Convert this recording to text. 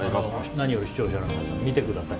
何より視聴者の皆さん見てください。